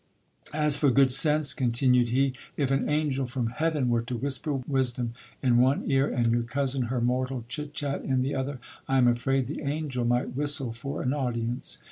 As for good 144 OIL BIAS. sense, continued he, if an angel from heaven were to whisper wisdom in one ear, and your cousin her mortal chit chat in the other, I am afraid the angel might whistle for an audience.